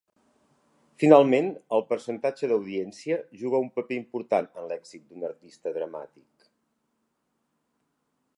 Finalment, el percentatge d'audiència juga un paper important en l'èxit d'un artista dramàtic.